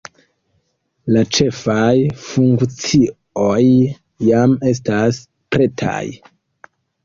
La ĉefaj funkcioj jam estas pretaj.